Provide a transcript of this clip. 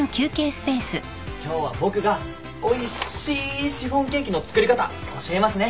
今日は僕がおいしいシフォンケーキの作り方教えますね。